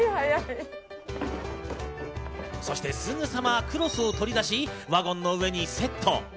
そしてすぐさまクロスを取り出しワゴンの上にセット。